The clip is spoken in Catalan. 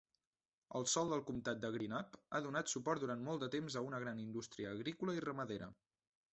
El sòl del comptat de Greenup ha donat suport durant molt de temps a una gran indústria agrícola i ramadera.